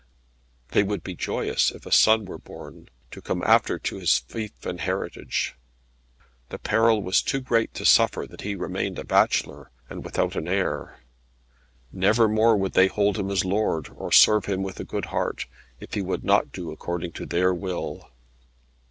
They would be joyous if a son were born, to come after to his fief and heritage. The peril was too great to suffer that he remained a bachelor, and without an heir. Never more would they hold him as lord, or serve him with a good heart, if he would not do according to their will.